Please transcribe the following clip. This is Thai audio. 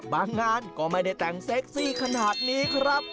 งานก็ไม่ได้แต่งเซ็กซี่ขนาดนี้ครับ